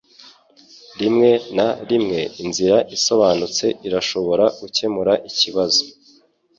Rimwe na rimwe inzira isobanutse irashobora gukemura ikibazo.